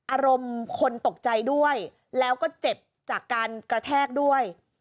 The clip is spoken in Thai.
อารมณ์คนตกใจด้วยแล้วก็เจ็บจากการกระแทกด้วย